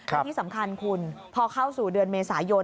และที่สำคัญคุณพอเข้าสู่เดือนเมษายน